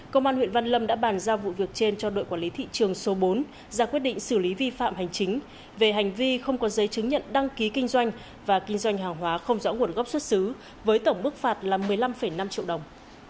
công an huyện văn lâm đã bàn giao vụ việc trên cho đội quản lý thị trường số bốn ra quyết định xử lý vi phạm hành chính về hành vi không có giấy chứng nhận đăng ký kinh doanh và kinh doanh hàng hóa không rõ nguồn gốc xuất xứ với tổng mức phạt là một mươi năm năm triệu đồng